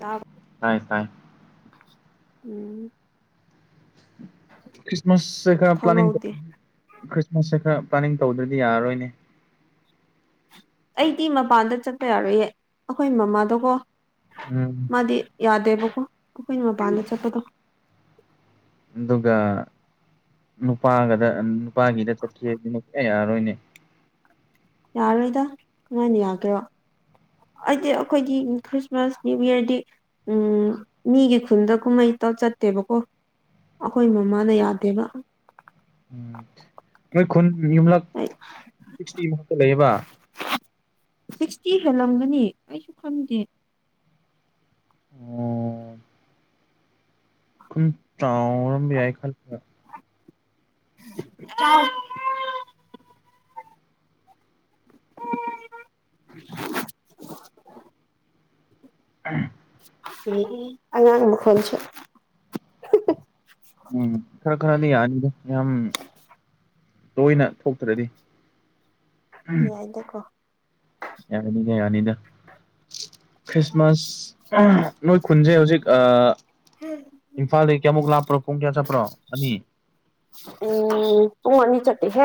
ꯇꯥꯕ ꯇꯥꯏ ꯇꯥꯏ ꯎꯝ ꯀ꯭ꯤꯁꯃꯁ ꯈ [unintelligible] ꯄ꯭ꯂꯥꯟ ꯈꯪꯍꯧꯗꯦ ꯈ꯭ꯔꯤꯁꯃꯥꯁꯁꯦ ꯈꯔ ꯄ꯭ꯂꯥꯅꯤꯡ ꯇꯧꯗ꯭ꯔꯗꯤ ꯌꯥꯔꯔꯣꯏꯅꯦ ꯑꯩꯗꯤ ꯃꯄꯥꯟꯗ ꯆꯠꯄ ꯌꯥꯔꯣꯏꯌꯦ ꯑꯩꯈꯣꯏ ꯃꯃꯥꯗꯀꯣ ꯎꯝ ꯌꯥꯗꯦꯕꯀꯣ ꯑꯩꯈꯣꯏꯅ ꯃꯄꯥꯟꯗ ꯆꯠꯄꯗꯣ ꯑꯗꯨꯒ ꯅꯨꯄꯥꯒꯗ ꯅꯨꯄꯥꯒꯤꯗ ꯆꯠꯈꯤ ꯅꯨꯌꯥ ꯔꯅꯦ ꯌꯥꯔꯣꯏꯗ ꯀꯃꯥꯏꯅ ꯌꯥꯒ꯭ꯔꯣ ꯍꯥꯏꯗꯤ ꯑꯩꯈꯣꯏꯒꯤ ꯈ꯭ꯔꯤꯁꯃꯥꯁ ꯅ꯭ꯌꯨ ꯌꯌꯥꯔꯗꯤ ꯎꯝ ꯃꯤꯒꯤ ꯈꯨꯟꯗ ꯀꯨꯝꯍꯩ ꯑꯝꯇ ꯆꯠꯇꯦꯕꯀꯣ ꯑꯩꯈꯣꯏ ꯃꯃꯥꯅ ꯌꯥꯗꯦꯕ ꯎꯝ ꯑꯩꯈꯣꯏ ꯈꯨꯟ ꯌꯨꯝꯂꯛ ꯏꯁꯇꯤ ꯃꯥꯊꯛꯇ ꯂꯩꯌꯦꯕ꯫ ꯁꯤꯛꯁꯇꯤ ꯍꯦꯜꯂꯝꯒꯅꯤ ꯑꯩꯁꯨ ꯈꯪꯗꯦ꯫ ꯑꯣ꯫ ꯀꯨꯟ ꯆꯥꯎꯔꯝꯝꯕ ꯌꯥꯏ ꯈꯜꯒ꯫ [unintelligible] [unintelligible] [unintelligible] ꯑꯉꯥꯡ ꯃꯈꯜꯁꯨ꯫ ꯎꯝ ꯈꯔ ꯈꯔꯗꯤ ꯌꯥꯅꯤꯗꯦ ꯌꯥꯝ ꯇꯣꯏꯅ ꯊꯣꯛꯇ꯭ꯔꯗꯤ꯫ ꯌꯥꯏꯗꯀꯣ꯫ ꯌꯥꯅꯤꯗ ꯌꯅꯤꯗ꯫ ꯈ꯭ꯔꯤꯁꯃꯥꯁ ꯅꯣꯏ ꯈꯨꯟꯁꯦ ꯍꯧꯖꯤꯛ ꯑꯥꯥ ꯏꯝꯐꯥꯜꯗꯒꯤ ꯀꯌꯥꯃꯨꯛ ꯂꯥꯞꯄ꯭ꯔꯣ ꯄꯨꯡ ꯀꯌꯥ ꯆꯠꯄ꯭ꯔꯣ ꯑꯅꯤ꯫ ꯎꯝ ꯄꯨꯡ ꯑꯅꯤ ꯆꯇꯦ ꯍꯦ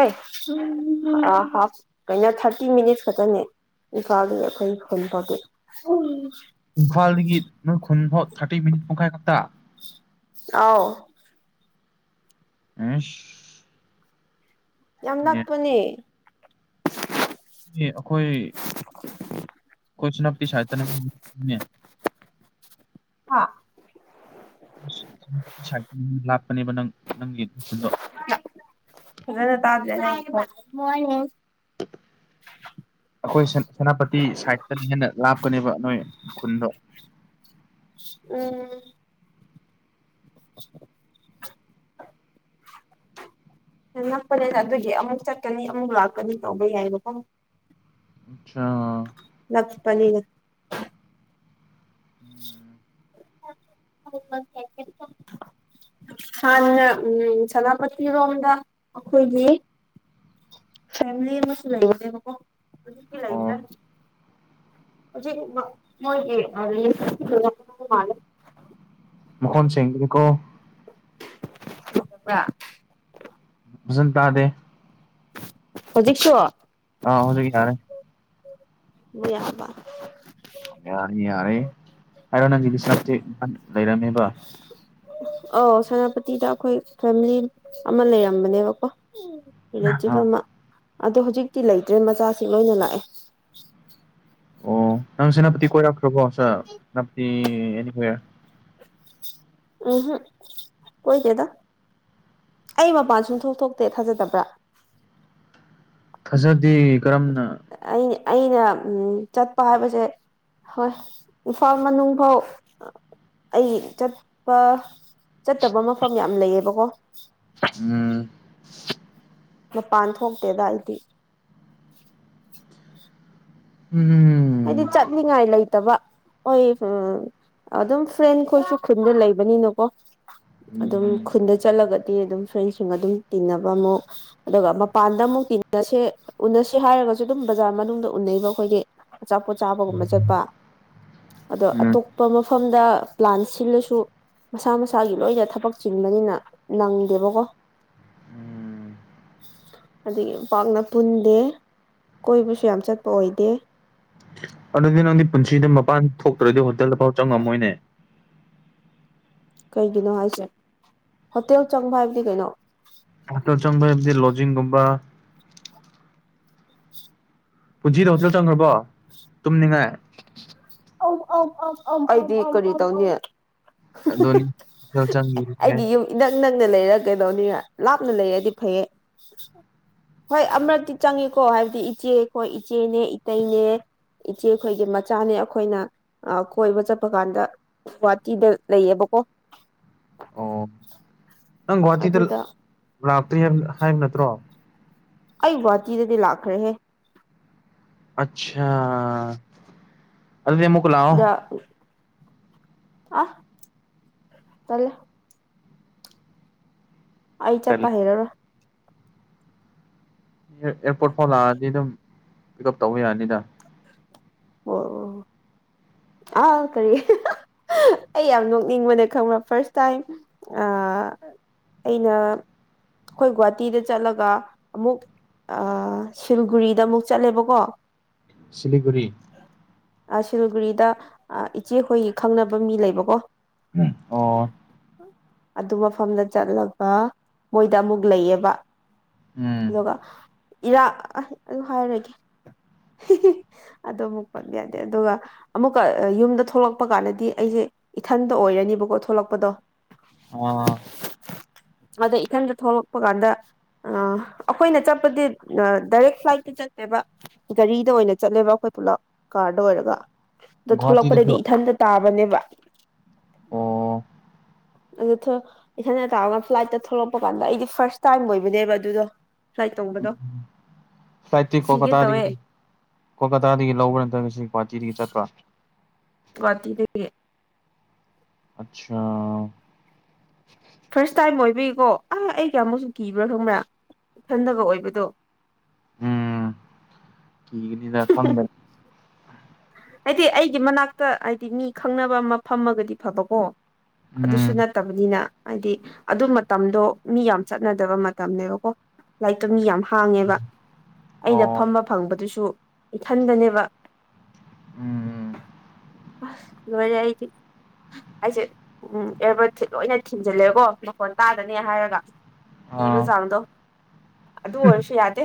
ꯍꯥ ꯀꯩꯅꯣ ꯊꯔꯇꯤ ꯃꯤꯅꯠ [unintelligible] ꯈꯛꯇꯅꯦ ꯏꯝꯐꯥꯜꯗꯒꯤ ꯑꯩꯈꯣꯏ ꯈꯨꯟ ꯐꯥꯎꯗꯤ꯫ ꯏꯝꯐꯥꯜ ꯅꯣꯏ ꯈꯨꯟ ꯐꯥꯎ ꯊꯥꯔꯇꯤ ꯃꯤꯅꯤꯠ ꯄꯨꯡꯈꯥꯏ ꯈꯛꯇ꯫ ꯑꯧ꯫ [unintelligible] ꯌꯥꯝ ꯅꯛꯄꯅꯦ꯫ ꯑꯦ ꯑꯩꯈꯣꯏ ꯑꯈꯣꯏꯁꯨ ꯅꯄꯤ ꯁꯥꯏꯠꯇꯅꯦ꯫ ꯍꯥ꯫ ꯂꯥꯞꯄꯅꯦꯕ ꯅꯪ ꯅꯪꯒꯤ ꯈꯨꯟꯗꯣ ꯐꯖꯥ ꯇꯥꯗꯔꯦ ꯉꯒꯤ ꯕꯣꯏꯁꯇꯨ꯫ ꯑꯩꯈꯣꯏ ꯁꯦꯅꯥꯄꯇꯤ ꯁꯥꯏꯠꯇꯅ ꯍꯦꯟꯅ ꯂꯥꯞꯀꯅꯦꯕ ꯅꯣꯏ꯫ ꯈꯨꯟꯗ꯫ ꯎꯝ꯫ [inaudible] ꯅꯛꯄꯅꯤꯅ ꯑꯗꯨꯒꯤ ꯑꯃꯨꯛ ꯆꯠꯀꯅꯤ ꯑꯃꯨꯛ ꯂꯥꯛꯀꯅꯤ ꯇꯧꯕ ꯌꯥꯏꯕꯀꯣ꯫ ꯑꯆꯥ ꯅꯛꯄꯅꯤꯅ꯫ [unintelligible] ꯍꯥꯟꯅ ꯎꯝ ꯁꯦꯅꯥꯄꯇꯤꯔꯣꯝꯗ ꯑꯩꯈꯣꯏꯒꯤ꯫ ꯐꯦꯝꯂꯤ ꯑꯃꯁꯨ ꯂꯩꯕꯅꯦꯕꯀꯣ ꯍꯧꯖꯤꯛꯇꯤ ꯑꯣ ꯂꯩꯇꯔꯦ꯫ ꯍꯧꯖꯤꯛ ꯃꯣꯏꯒꯤ꯫ [unintelligible] ꯃꯣꯈꯣꯟꯁꯦꯡꯗꯔꯦꯀꯣ꯫ [unintelligible] ꯐꯥꯖꯟ ꯇꯥꯗꯦ꯫ ꯍꯧꯖꯤꯛꯁꯨ꯫ ꯑꯥ ꯍꯧꯖꯤꯛꯇꯤ ꯇꯔꯦ꯫ [unintelligible] ꯌꯥꯅꯤ ꯌꯥꯔꯦ ꯍꯥꯏꯔꯣ ꯅꯪꯒꯤ ꯁꯤꯅꯄꯇꯤ ꯂꯩꯔꯝꯃꯦꯕ꯫ ꯑꯥꯎ ꯁꯦꯅꯥꯄꯇꯤꯗ ꯑꯩꯈꯣꯏ ꯐꯦꯃꯤꯂꯤ ꯑꯃ ꯂꯩꯔꯝꯕꯅꯦꯕꯀꯣ꯫ ꯔꯤꯂꯦꯇꯤꯞ ꯑꯥ ꯑꯃꯥ꯫ ꯑꯗꯣ ꯍꯧꯖꯤꯛꯇꯤ ꯂꯩꯇ꯭ꯔꯦ ꯃꯆꯥꯁꯤ ꯂꯣꯏꯅ ꯂꯥꯛꯑꯦ꯫ ꯑꯣ ꯅꯪ ꯁꯦꯅꯥꯄꯇꯤ ꯀꯣꯏꯔꯛꯈ꯭ꯔꯕꯣ ꯁꯦꯅꯥꯄꯇꯤ ꯑꯦ ꯋꯦꯌꯔ꯫ ꯎꯝ ꯍꯝ ꯀꯣꯏꯗꯦꯗ ꯫ ꯑꯩ ꯃꯄꯥꯟ ꯁꯨꯡ ꯊꯣꯛꯣꯛ ꯊꯣꯛꯇꯦ ꯊꯥꯖꯗꯕ꯭ꯔꯥ꯫ ꯊꯥꯖꯗꯦ ꯀꯔꯝꯅ꯫ ꯑꯩ ꯑꯩꯅ ꯎꯝ ꯆꯠꯄ ꯍꯥꯏꯕꯁꯦ ꯍꯣꯏ ꯏꯝꯐꯥꯜ ꯃꯅꯨꯡ ꯐꯥꯎ ꯑꯩ ꯆꯠꯄ ꯆꯠꯇꯕ ꯃꯐꯝ ꯌꯥꯝ ꯂꯩꯌꯦꯕꯀꯣ ꯎꯝ ꯃꯄꯥꯟ ꯊꯣꯛꯇꯦꯗꯏꯗꯤ ꯎꯝ ꯍꯥꯏꯗꯤ ꯆꯠꯅꯤꯡꯉꯥꯏꯂ ꯅꯠꯇꯕ ꯍꯣꯏ ꯎ ꯑꯗꯨꯝ ꯐ꯭ꯔꯦꯟ ꯈꯣꯏꯁꯨ ꯈꯨꯟꯗ ꯂꯩꯕꯅꯤꯅꯀꯣ ꯑꯗꯨꯝ ꯎꯝ ꯈꯨꯟꯗ ꯆꯠꯂꯒꯗꯤ ꯑꯗꯨꯝ ꯐ꯭ꯔꯦꯟꯁꯤꯡꯒ ꯑꯗꯨꯝ ꯇꯤꯟꯅꯕ ꯑꯃꯨꯛ ꯑꯗꯨꯒ ꯃꯄꯥꯟꯗ ꯑꯃꯨꯛ ꯎꯁꯦ ꯎꯅꯁꯦ ꯍꯥꯏꯔꯒꯁꯨ ꯑꯗꯨꯝ ꯕꯖꯥꯔ ꯃꯅꯨꯡꯗ ꯎꯟꯅꯩꯕ ꯑꯩꯈꯣꯏꯒꯤ ꯑꯆꯥꯄꯣꯠ ꯆꯥꯕꯒꯨꯝꯕ ꯆꯠꯄ ꯑꯗꯣ ꯎꯝ ꯑꯇꯣꯞꯄ ꯑꯃ ꯃꯐꯝꯗ ꯄ꯭ꯂꯥꯟ ꯁꯤꯜꯂꯁꯨ ꯃꯁꯥ ꯃꯁꯥꯒꯤ ꯂꯣꯏꯅ ꯊꯕꯛ ꯆꯤꯟꯕꯅꯤꯅ ꯅꯪꯗꯦꯕꯀꯣ ꯎꯝ ꯑꯗꯨꯒꯤ ꯄꯥꯛꯅ ꯄꯨꯟꯗꯦ ꯀꯣꯏꯕꯁꯨ ꯌꯥꯝ ꯆꯠꯄ ꯑꯣꯏꯗꯦ ꯑꯗꯨꯗꯤ ꯅꯪꯗꯤ ꯄꯨꯟꯁꯤꯗ ꯃꯄꯥꯟ ꯊꯣꯛꯇ꯭ꯔꯗꯤ ꯍꯣꯇꯦꯜꯗ ꯐꯥꯎ ꯆꯪꯉꯝꯃꯣꯏꯅꯦ ꯀꯩꯒꯤꯅꯣ ꯍꯥꯏꯁꯦ ꯍꯣꯇꯦꯜ ꯆꯪꯕ ꯍꯥꯏꯕꯗꯤ ꯀꯩꯅꯣ ꯑꯇꯣ ꯆꯪꯕ ꯍꯥꯏꯕꯗꯤ ꯂꯣꯖꯤꯡꯒꯨꯝꯕ ꯄꯨꯟꯁꯤꯗ ꯍꯣꯇꯦꯜ ꯆꯪꯈ꯭ꯔꯕꯣ ꯇꯨꯝꯅꯤꯡꯉꯥꯏ ꯑꯩꯗꯤ ꯀꯔꯤ ꯇꯧꯅꯤ ꯗꯣꯅꯤ ꯆ ꯆ ꯟꯅ ꯂꯩꯔ ꯀꯩꯗꯧꯅꯤ ꯂꯥꯞꯅ ꯂꯩꯔꯗꯤ ꯐꯩꯌꯦ ꯍꯣꯏ ꯑꯃꯛꯇꯤ ꯆꯪꯉꯤꯀꯣ ꯍꯥꯏꯕꯗꯤ ꯏꯆꯦꯈꯣꯏ ꯏꯆꯦꯅꯦ ꯏꯇꯩꯅꯦ ꯏꯆꯦ ꯑꯩꯈꯣꯏꯒꯤ ꯃꯆꯥꯅꯤ ꯑꯩꯈꯣꯏꯅ ꯀꯣꯏꯕ ꯆꯠꯄ ꯀꯥꯟꯗ ꯒꯨꯍꯥꯇꯤꯗ ꯂꯩꯌꯦꯕꯀꯣ ꯑꯣ ꯅꯪ ꯒꯨꯍꯥꯇꯤꯗ ꯑꯗꯨꯗ ꯂꯥꯛꯇ꯭ꯔꯤ ꯍꯥꯏ ꯍꯥꯏꯕ ꯅꯠꯇ꯭ꯔꯣ ꯑꯩ ꯋꯥꯆꯤꯗ ꯇꯂꯈ ꯔꯦ ꯑꯆꯥꯥ ꯑꯗꯨꯗꯤ ꯃꯨꯛꯂꯥꯎꯑꯣ ꯗ ꯑ ꯆꯂ ꯑꯩ ꯇꯜꯂꯦ ꯆꯞꯄ ꯍꯦꯔꯔ ꯑꯦꯌꯥꯔꯄꯣꯔꯠ ꯐꯥꯎ ꯂꯥꯛꯑꯅꯤ ꯑꯗꯨꯝ ꯄꯤꯛ ꯎꯞ ꯇꯧꯕ ꯌꯥꯅꯤꯗ ꯑꯣ ꯑꯥ ꯇꯔꯤ ꯑꯩ ꯌꯥꯝ ꯅꯣꯛꯅꯤꯡꯕꯅꯦ ꯈꯪꯕ ꯐꯥꯔꯁ ꯇꯥꯏꯝ ꯑꯩꯅ ꯑꯩꯈꯣꯏ ꯒꯨꯍꯥꯇꯤꯗ ꯆꯠꯂꯒ ꯑꯃꯨꯛ ꯁꯤꯜꯒꯨꯔꯤꯗ ꯑꯃꯨꯛ ꯆꯠꯂꯦꯕꯀꯣ ꯁꯤꯂꯤꯒꯨꯔꯤ ꯁꯤꯜꯒꯔꯤꯗ ꯏꯆꯦꯈꯣꯏꯒꯤ ꯈꯪꯅꯕ ꯃꯤ ꯂꯩꯕꯀꯣ ꯑꯣ ꯑꯗꯨ ꯃꯐꯝꯗ ꯆꯠꯂꯒ ꯃꯣꯏꯗ ꯑꯃꯨꯛ ꯂꯩꯌꯦꯕ ꯎꯝ ꯑꯗꯨꯒ ꯏꯔꯥ ꯑꯗꯨ ꯍꯥꯏꯔꯒꯦ ꯑꯗ ꯑꯃꯨꯛ ꯄꯟꯕ ꯌꯥꯗꯦ ꯑꯗꯨꯒ ꯑꯃꯨꯛꯀ ꯌꯨꯝꯗ ꯊꯣꯛꯂꯛꯄ ꯀꯥꯟꯗꯗꯤ ꯑꯩꯁꯦ ꯏꯊꯟꯇ ꯑꯣꯏꯔꯅꯤꯕ ꯊꯣꯛꯂꯛꯄꯗꯣ ꯑꯣ ꯑꯗ ꯏꯊꯟꯗ ꯊꯣꯛꯂꯛꯄ ꯀꯥꯟꯗ ꯑꯩꯈꯣꯏꯅ ꯆꯠꯄꯗꯤ ꯗꯥꯏꯔꯦꯛ ꯐ꯭ꯂꯥꯏꯠ ꯆꯠꯂꯦꯕ ꯒꯥꯔꯤꯗ ꯑꯣꯏꯅ ꯆꯠꯂꯦꯕ ꯑꯩꯈꯣꯏ ꯄꯨꯂꯞ ꯀꯥꯔꯗ ꯑꯣꯏꯔꯒ ꯑꯗ ꯒꯨꯍꯥꯇꯤꯗꯁꯨ ꯊꯣꯛꯂꯛꯄꯗꯩꯗꯤ ꯏꯊꯟꯇ ꯇꯥꯕꯅꯦꯕ ꯑꯣ ꯑꯗꯨ ꯏꯁꯟꯗ ꯇꯥ ꯔꯒ ꯐ꯭ꯂꯥꯏꯠꯇ ꯊꯣꯛꯂꯛꯄ ꯀꯥꯟꯗ ꯑꯩꯗꯤ ꯐꯥꯔꯁ ꯇꯥꯏꯝ ꯑꯣꯏꯕꯅꯦꯕ ꯑꯗꯨꯗꯣ ꯐ꯭ꯂꯥꯏꯠ ꯇꯣꯡꯕꯗꯣ ꯁꯥꯏꯇ ꯁꯤꯒꯦ ꯀꯣꯀꯇꯥꯕ ꯇꯧꯋꯦ ꯀꯣꯀ ꯍꯇꯥꯗꯒꯤ ꯂꯧꯕ꯭ꯔꯥ ꯅꯠꯇ꯭ꯔꯒ ꯁꯤ ꯒꯨꯍꯥꯇꯤꯗꯒꯤ ꯆꯠꯄ꯭ꯔꯥ ꯍꯨ ꯟ ꯒꯨꯍꯥꯇꯤꯗꯒꯤ ꯑꯆꯥꯥ ꯐꯥꯔꯁ ꯇꯥꯏꯝ ꯑꯣꯏꯕꯒꯤꯀꯣ ꯑ ꯑꯩ ꯀꯌꯥꯃꯨꯛꯁꯨ ꯀꯤꯕ꯭ꯔꯥ ꯈꯪꯕ꯭ꯔꯥ ꯏꯊꯟꯗꯒ ꯑꯣꯏꯕꯗꯣ ꯎꯝ ꯀꯤꯒꯅꯤꯗ ꯈꯪꯗꯅꯤ ꯍꯥꯏꯗꯤ ꯑꯩꯒꯤ ꯃꯅꯥꯛꯇ ꯍꯥꯏꯗꯤ ꯃꯤ ꯈꯪꯅꯕ ꯑꯃ ꯐꯝꯃꯒꯗꯤ ꯐꯕꯀꯣ ꯑꯗꯨꯁꯨ ꯎꯝ ꯅꯠꯇꯕꯅꯤꯅ ꯍꯥꯏꯗꯤ ꯑꯗꯨ ꯃꯇꯝꯗꯣ ꯃꯤ ꯌꯥꯝ ꯆꯠꯅꯗꯕ ꯃꯇꯝꯅꯦꯕꯀꯣ ꯂꯥꯏꯔꯤꯛꯇꯣ ꯃꯤ ꯌꯥꯝ ꯍꯥꯡꯉꯦꯕ ꯑꯩꯅ ꯑꯣ ꯐꯝꯕ ꯐꯪꯕꯗꯨꯁꯨ ꯏꯊꯟꯗꯅꯦꯕ ꯎꯝ ꯎꯝ ꯑꯁ ꯂꯣꯢꯔꯦ ꯑꯩꯗꯤ ꯑꯩꯁꯦ ꯎꯝ ꯑꯦꯔꯕꯗ ꯂꯣꯏꯅ ꯊꯤꯟꯖꯤꯜꯂꯦꯀꯣ ꯃꯈꯣꯟ ꯇꯥꯗꯅꯦ ꯍꯥꯏꯔꯒ ꯀꯤꯕ ꯑꯥ ꯆꯥꯡꯗꯣ ꯑꯗꯨ ꯑꯣꯏꯔꯁꯨ ꯌꯥꯗꯦ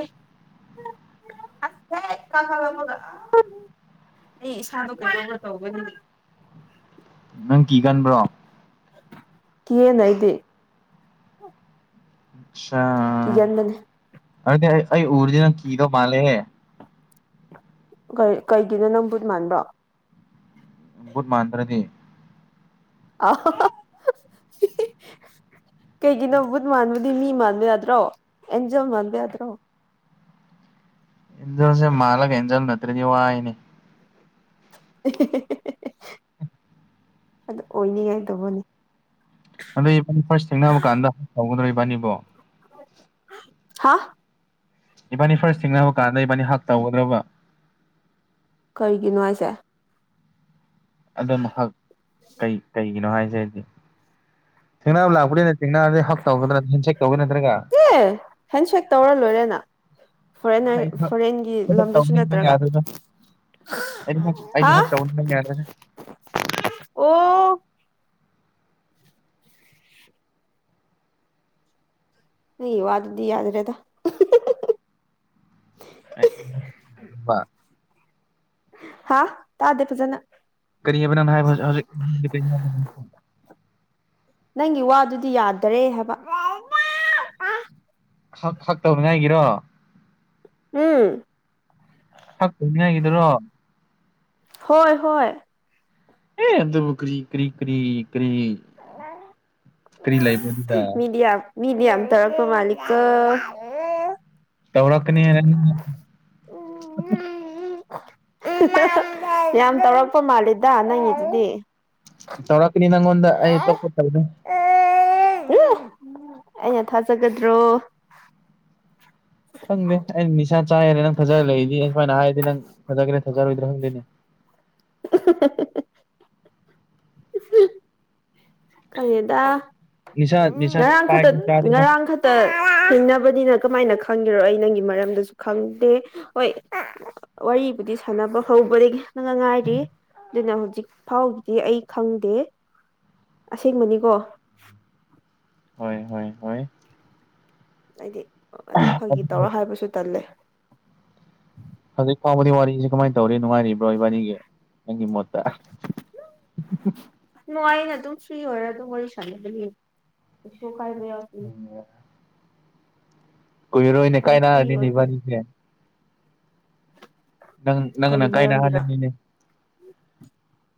ꯑꯁ ꯍꯦꯛ ꯀꯥꯈꯠꯂꯛꯄꯒ ꯑꯩ ꯏꯁꯥꯗ ꯀꯩꯅꯣꯝꯃ ꯇꯧꯕꯅꯤ ꯅꯪ ꯀꯤꯒꯟꯕ꯭ꯔꯣ ꯀꯤꯌꯦꯅ ꯑꯩꯗꯤ ꯀꯤꯒꯟꯕꯅꯦ ꯑꯆꯥ ꯑꯩ ꯎꯔꯗꯤ ꯅꯪ ꯀꯤꯗꯣ ꯃꯥꯂꯦ ꯀꯩꯒꯤꯅꯣ ꯅꯪꯕꯨꯠ ꯃꯥꯟꯕ꯭ꯔꯣ ꯕꯨꯠ ꯃꯥꯟꯗ꯭ꯔꯗꯤ ꯑ ꯀꯩꯒꯤꯅꯣ ꯕꯨꯠ ꯃꯥꯟꯕꯗꯤ ꯃꯤ ꯃꯥꯟꯕ ꯌꯥꯗ꯭ꯔꯣ ꯑꯦꯟꯖꯦꯜ ꯃꯥꯟꯕ ꯌꯥꯗ꯭ꯔꯣ ꯑꯦꯟꯖꯦꯜꯁꯦ ꯃꯥꯂꯒ ꯑꯦꯟꯖꯦꯜ ꯅꯠꯇ꯭ꯔꯗꯤ ꯋꯥꯏꯅꯦ ꯑꯗꯨ ꯑꯣꯏꯅꯤꯡꯉꯥꯏ ꯇꯧꯕꯅꯤ ꯑꯗꯣ ꯏꯕꯥꯅꯤ ꯐꯥꯔꯁ ꯊꯦꯡꯅꯕ ꯀꯥꯟꯗ ꯇꯥꯎꯒꯗ꯭ꯔꯣ ꯏꯕꯥꯅꯤꯕꯣ ꯍꯥ ꯏꯕꯥꯅꯤ ꯐꯥꯔꯁ ꯊꯦꯡꯅꯕ ꯀꯥꯟꯗ ꯏꯕꯥꯅꯤ ꯍꯛ ꯇꯧꯒꯗ꯭ꯔꯕ ꯀꯩꯒꯤꯅꯣ ꯍꯥꯢꯁꯦ ꯑꯗꯨꯛ ꯀꯩ ꯀꯩꯒꯤꯅꯣ ꯍꯥꯏꯁꯦꯗꯤ ꯊꯦꯡꯅꯕ ꯂꯥꯛꯄꯗꯤ ꯅ ꯊꯦꯡꯅꯥꯔꯗꯤ ꯍꯛ ꯇꯧꯒꯗ꯭ꯔꯥ ꯍꯦꯟꯁꯦꯛ ꯇꯧꯒꯦꯔꯥ ꯅꯠꯇ꯭ꯔꯒ ꯑꯦ ꯍꯦꯟꯁꯦꯛ ꯇꯧꯔ ꯂꯣꯏꯔꯦꯅ ꯐꯣꯔꯦꯟ ꯑꯩ ꯍꯛ ꯐꯣꯔꯦꯟꯒꯤ ꯂꯝꯗꯁꯨ ꯇꯧꯅꯤꯡꯕꯅ ꯅꯠꯇ꯭ꯔꯒ ꯌꯥꯗ꯭ꯔꯦꯗ ꯑꯩꯗꯤ ꯍꯥ ꯑꯩꯗꯤ ꯍꯛ ꯇꯧꯅꯤꯡꯕꯅ ꯌꯥꯗ꯭ꯔꯦ ꯑꯣ ꯅꯪꯒꯤ ꯋꯥ ꯑꯗꯨꯗꯤ ꯌꯥꯗ꯭ꯔꯦꯗ [inaudible] ꯍꯥꯥ ꯇꯥꯗꯦ ꯐꯖꯅ [unintelligible] ꯅꯪꯒꯤ ꯋꯥꯗꯨꯗꯤ ꯌꯥꯗꯔꯦ ꯍꯥꯏꯕ ꯍꯛ ꯍꯛ ꯇꯧꯅꯤꯍꯥꯏꯒꯤꯔꯣ ꯎꯝ ꯍꯛ ꯇꯧꯅꯤꯉꯥꯏꯒꯤꯗꯨꯔꯣ ꯍꯣꯏ ꯍꯣꯏ ꯢꯢ ꯑꯗꯨꯕꯨ ꯀꯔꯤ ꯀꯔꯤ ꯀꯔꯤ ꯀꯔꯤ ꯂꯕꯗꯨꯗ ꯃꯤ ꯗ ꯌꯥꯝꯅ ꯇꯧꯔꯛꯄ ꯃꯥꯂꯤꯀꯣ ꯇꯧꯔ ꯀꯅꯤ ꯌꯥꯝ ꯇꯧꯔꯛꯄ ꯃꯥꯜꯂꯤꯗ ꯅꯪꯒꯤꯗꯨꯗꯤ ꯇꯧꯔꯛ ꯀꯅꯤ ꯅꯪꯉꯣꯟꯗ ꯑꯩ ꯑꯇꯣꯞꯄ ꯑꯩꯅ ꯊꯥꯖꯒꯗ꯭ꯔꯣ ꯈꯪꯗꯦ ꯑꯩ ꯅꯤꯁꯥ ꯆꯥꯏꯈꯔꯦ ꯅꯪ ꯊꯖꯔ ꯂꯩꯏꯗꯤ ꯑꯩ ꯁꯨꯃꯥꯏꯅ ꯍꯥꯏꯔꯗꯤ ꯅꯪ ꯊꯥꯖꯔꯣꯢꯔ ꯊꯥꯖꯔꯣꯏꯗ꯭ꯔꯥ ꯈꯪꯗꯦ [unintelligible] [inaudible] [unintelligible] [inaudible] [unintelligible] [inaudible] ꯈꯪꯗꯦꯗꯥ ꯅꯤꯁꯥ ꯅꯤꯁꯥ ꯉꯔꯥꯡ ꯈꯛꯇ ꯄꯥꯏꯕ ꯆꯥꯗꯦꯗ ꯉꯔꯥꯡ ꯈꯛꯇ ꯊꯦꯡꯅꯕꯅꯤꯅ ꯀꯃꯥꯏꯅ ꯈꯪꯗꯔꯣ ꯑꯩ ꯅꯪꯒꯤ ꯃꯔꯝꯗꯁꯨ ꯈꯪꯗꯦ ꯍꯣꯏ ꯋꯥꯔꯤꯕꯨꯗꯤ ꯁꯥꯟꯅꯕ ꯍꯧꯕꯗꯒꯤ ꯅꯪꯅ ꯉꯥꯏꯔꯤ ꯑꯗꯨꯅ ꯍꯧꯖꯤꯛ ꯐꯥꯎꯒꯤꯗꯤ ꯑꯩ ꯈꯪꯗꯦ ꯑꯁꯦꯡꯕꯅꯤꯀꯣ ꯍꯣꯏ ꯍꯣꯏ ꯍ ꯍꯥꯏꯗꯤ ꯑꯗꯨꯝ ꯐꯒꯤ ꯑꯗꯨ ꯇꯧꯔ ꯍꯥꯏꯕꯁꯨ ꯇꯜꯂꯦ ꯍꯧꯖꯤꯛ ꯐꯥꯎꯕꯗꯤ ꯋꯥꯔꯤꯁꯤ ꯀꯃꯥꯏꯅ ꯇꯧꯔꯤ ꯅꯨꯡꯉꯥꯏꯔꯤꯕ꯭ꯔꯣ ꯏꯕꯥꯅꯤꯒꯤ ꯅꯪꯒꯤ ꯃꯣꯠꯇ ꯃ [unintelligible] ꯑꯗꯨꯝ ꯐ꯭ꯔꯤ ꯑꯣꯏꯔ ꯑꯗꯨꯝ ꯋꯥꯔꯤ ꯁꯥꯟꯅꯒꯗꯤ ꯀꯩꯁꯨ ꯀꯥꯏꯕ ꯌꯥꯎꯗꯦ ꯀꯨꯏ ꯔꯣꯏꯅꯦ ꯑꯗꯨꯝ ꯀꯥꯏꯅ ꯐ꯭ꯔꯤ ꯑꯣꯏꯕ ꯍꯥꯏꯅꯤꯕꯅꯤꯁ ꯅꯪ ꯀꯔꯤ ꯅꯪꯅ ꯃꯔꯝꯒꯤꯔ ꯀꯥꯏꯅꯍꯜꯂꯅꯤꯅꯦ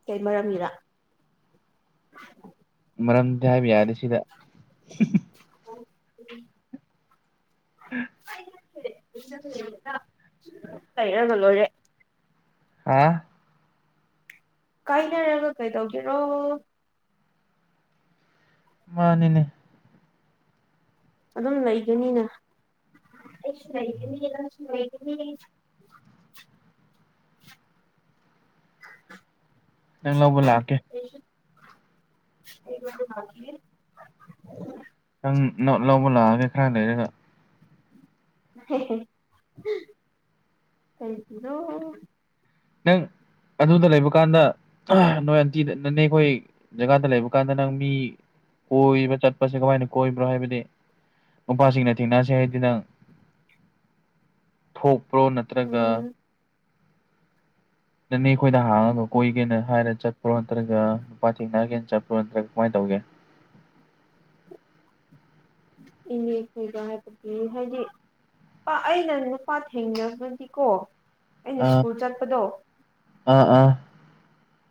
ꯀꯩ ꯃꯔꯝꯒꯤꯔ [unintelligible] ꯃꯔꯝꯗꯤ ꯍꯥꯏꯕ ꯌꯥꯗꯦ ꯁꯤꯗ ꯑꯣ ꯎ [inaudible] ꯎꯝ ꯀꯩꯩꯅꯅꯂꯣꯔꯦ [inaudible] ꯍꯥ ꯀꯥꯏꯅꯦꯔꯒ ꯀꯩ ꯇꯧꯗꯣꯏꯅꯣ ꯃꯥꯅꯤꯅꯦ ꯑꯗꯨꯝ ꯂꯩꯒꯅꯤꯅ ꯎ ꯅꯪ ꯂꯧꯕ ꯂꯥꯛꯀꯦ [unintelligible] [inaudible] ꯅꯪ ꯂꯧꯕ ꯂꯥꯛꯑꯒꯦ ꯈꯔ ꯂꯩꯔꯒ ꯀ [inaudible] ꯀꯔꯤꯒꯤꯅꯣ ꯅꯪ ꯑꯗꯨꯗ ꯂꯩꯕ ꯀꯥꯟꯗ ꯅꯣꯏ ꯑꯟꯇꯤꯗ ꯅꯅꯦ ꯑꯩꯈꯣꯏ ꯖꯒꯥꯗ ꯂꯩꯕ ꯀꯥꯟꯗ ꯅꯪ ꯃꯤ ꯀꯣꯏ ꯃ ꯆꯠ ꯀꯃꯥꯏꯅꯥ ꯀꯣꯏꯕꯔꯥ ꯍꯥꯏꯕꯗꯤ ꯅꯨꯄꯥꯁꯤꯡꯅ ꯊꯦꯡꯅꯁꯦ ꯍꯥꯏꯗꯤ ꯅꯪ ꯊꯣꯛꯄ꯭ꯔꯣ ꯅꯠꯇ꯭ꯔꯒ ꯅꯪꯅꯦ ꯑꯩꯈꯣꯏꯗ ꯍꯥꯡꯉꯒ ꯀꯣꯏꯒꯦꯅ ꯍꯥꯏꯔ ꯆꯠꯄ꯭ꯔꯣ ꯅꯠꯇ꯭ꯔꯒ ꯅꯨꯄꯥ ꯊꯦꯡꯅꯒꯦꯅ ꯆꯠꯄ꯭ꯔꯣ ꯅꯠꯇ꯭ꯔꯒ ꯀꯃꯥꯏꯅ ꯇꯧꯒꯦ [unintelligible] ꯏꯅꯦꯈꯣꯏꯒ ꯍꯥꯏꯕꯗꯤ ꯍꯥꯏꯗꯤ ꯅꯨꯄꯥ ꯑꯩꯅ ꯅꯨꯄꯥ ꯊꯦꯡꯅꯕꯗꯤꯀꯣ ꯑꯩꯅ ꯑꯥ ꯁ꯭ꯀꯨꯜ ꯆꯠꯄꯗꯣ ꯑꯥ ꯑꯥ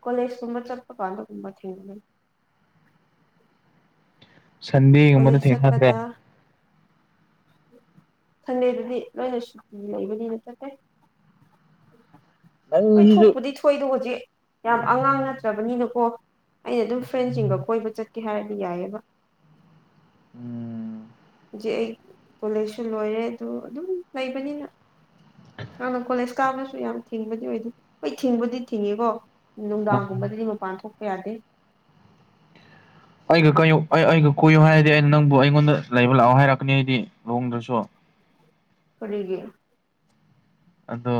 ꯀꯣꯂꯦꯖ ꯁꯨꯝꯕ ꯆꯠꯄ ꯀꯥꯟꯗ ꯀꯕꯅꯤ ꯁꯟꯗꯦꯒꯨꯝꯕꯗ ꯊꯦꯡꯅꯗ꯭ꯔꯦ ꯁꯟꯗꯦꯗꯗꯤ ꯂꯣꯏꯅ ꯁꯨꯇꯤ ꯂꯩꯕꯅꯤꯅ ꯆꯠꯇꯦ ꯍꯣꯏ ꯅꯪꯁꯤꯁꯨ ꯊꯣꯛꯄꯨꯗꯤ ꯊꯣꯛꯏꯗꯣ ꯍꯧꯖꯤꯛ ꯌꯥꯝ ꯑꯉꯥꯡ ꯅꯠꯇ꯭ꯔꯕꯅꯤꯅꯀꯣ ꯑꯩꯅ ꯑꯗꯨꯝ ꯐ꯭ꯔꯦꯟꯁꯤꯡꯒ ꯀꯣꯏꯕ ꯆꯠꯀꯦ ꯍꯥꯏꯔꯗꯤ ꯌꯥꯏꯑꯕ ꯎꯝ ꯍꯧꯖꯤꯛ ꯑꯩ ꯀꯣꯂꯦꯖꯁꯨ ꯂꯣꯏꯔꯦ ꯑꯗꯨ ꯑꯗꯨꯝ ꯂꯩꯕꯅꯤꯅ ꯍꯅ ꯀꯣꯂꯦꯖ ꯀꯥꯕꯅꯁꯨ ꯌꯥꯝ ꯊꯤꯡꯕꯗꯤ ꯑꯣꯏꯗꯦ ꯍꯣꯏ ꯊꯤꯡꯕꯗꯤ ꯊꯤꯡꯉꯤꯀꯣ ꯅꯨꯡꯗꯥꯡꯒꯨꯝꯕꯗꯗꯤ ꯃꯄꯥꯟ ꯊꯣꯛꯄ ꯌꯥꯗꯦ ꯑꯩꯒ ꯀꯨ ꯑꯩ ꯑꯩꯒ ꯀꯨꯌꯨ ꯍꯥꯏꯔꯗꯤ ꯑꯩꯅ ꯅꯪꯕꯨ ꯑꯩꯉꯣꯟꯗ ꯂꯩꯕ ꯂꯥꯛꯑꯣ ꯍꯥꯏꯔꯛꯀꯅꯤ ꯑꯩꯗꯤ ꯂꯨꯍꯣꯡꯗ꯭ꯔꯁꯨ ꯀꯔꯤꯒꯦ ꯑꯗꯣ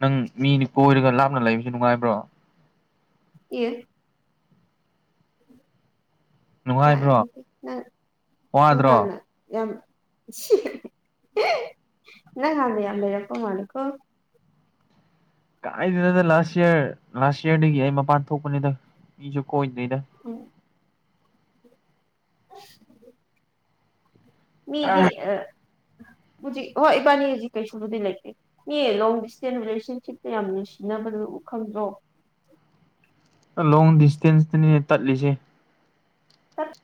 ꯅꯪ ꯃꯤꯅꯤ ꯀꯣꯏꯔꯒ ꯂꯥꯞꯅ ꯂꯩꯕꯁꯨ ꯅꯨꯡꯉꯥꯏꯕ꯭ꯔꯣ ꯌꯦ ꯅꯨꯡꯉꯥꯏꯕ꯭ꯔꯣ ꯇꯪ ꯋꯥꯗ꯭ꯔꯣ ꯍꯥꯟꯂ ꯌꯥꯝ ꯏ ꯉꯥꯟꯗ ꯑꯝꯕꯔꯄ ꯃꯀꯣ ꯀꯥꯏꯗꯅꯗ ꯂꯥꯁ ꯌꯔ ꯂꯥꯁ ꯏꯌꯥꯔꯗꯒꯤ ꯑꯩ ꯃꯄꯥꯟ ꯊꯣꯛꯄꯅꯤꯗ ꯃꯤꯁꯨ ꯍꯣꯏꯗ [unintelligible] ꯃꯤꯗꯤ ꯑ [unintelligible] ꯍꯧꯖꯤꯛ ꯍꯣꯏ ꯏꯕꯥꯅꯤ ꯍꯧꯖꯤꯛ ꯀꯩꯁꯨꯕꯨꯗꯤ ꯂꯩꯇꯦ ꯃꯤ ꯂꯣꯡ ꯗꯤꯁꯇꯦꯟ ꯔꯤꯂꯦꯁꯟꯁꯤꯞꯇ ꯌꯥꯝ ꯅꯨꯡꯁꯤꯅꯕ ꯂ ꯈꯪꯕꯣ ꯎ ꯂꯣꯡ ꯗꯤꯁꯇꯦꯟꯁꯅꯤ ꯇꯠꯂꯤꯁꯦ ꯑ